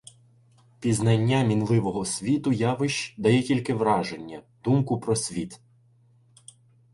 Пізнання мінливого світу явищ дає тільки враження, думку про світ.